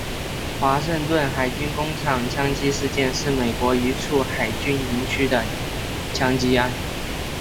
华盛顿海军工厂枪击事件是美国一处海军营区的枪击案。